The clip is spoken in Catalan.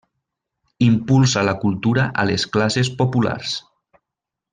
Impulsa la cultura a les classes populars.